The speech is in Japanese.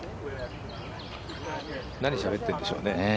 何しゃべっているんでしょうね。